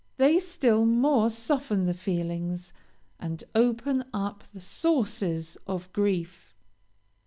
They still more soften the feelings and open up the sources of grief.